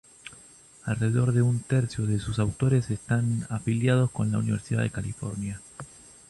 Alrededor de un tercio de sus autores están afiliados con la Universidad de California.